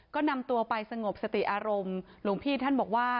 ก็นำตัวไปสงบสติอารมณ์หลวงพี่ท่านบอกว่า